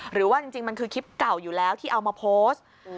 หรือว่าจริงมันคือคลิปเก่าอยู่แล้วที่เอามาโพสต์